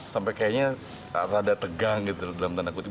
sampai kayaknya rada tegang gitu dalam tanda kutip